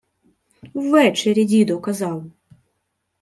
— Ввечері дідо казав.